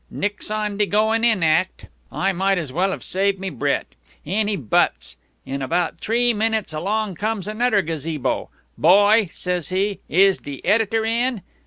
'Nix on de goin' in act.' I might as well have saved me breat! In he butts. In about t'ree minutes along comes another gazebo. 'Boy,' says he, 'is de editor in?'